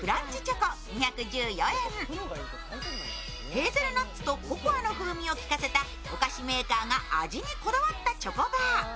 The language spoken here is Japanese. ヘーゼルナッツとココアの風味を効かせたお菓子メーカーが味にこだわったチョコバー。